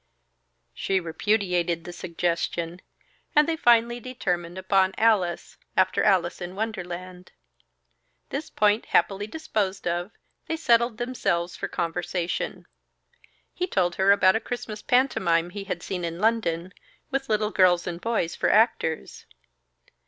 She repudiated the suggestion; and they finally determined upon Alice, after "Alice in Wonderland." This point happily disposed of, they settled themselves for conversation. He told her about a Christmas pantomime he had seen in London, with little girls and boys for actors.